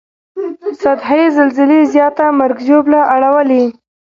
سطحي زلزلې زیاته مرګ ژوبله اړوي